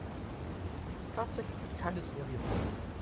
Tatsächlich wird keine Serie folgen.